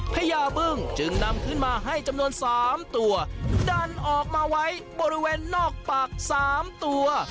พญาบึ้งจึงนำขึ้นมาให้จำนวน๓ตัวดันออกมาไว้บริเวณนอกปากสามตัว